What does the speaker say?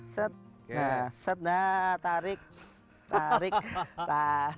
set set nah tarik tarik tarik